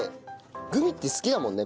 グミって好きだもんね